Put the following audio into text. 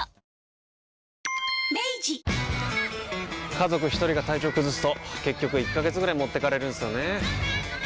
家族一人が体調崩すと結局１ヶ月ぐらい持ってかれるんすよねー。